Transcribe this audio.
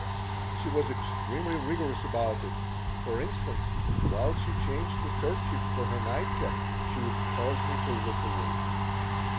She was extremely rigorous about it. For instance, while she changed her kerchief for her nightcap she would cause me to look away.